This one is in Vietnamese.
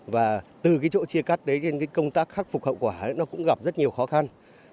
và từ cái chỗ chia cắt đến công tác khắc phục hậu quả nó cũng gặp rất nhiều khó khăn